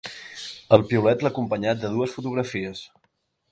El piulet l’ha acompanyat de dues fotografies.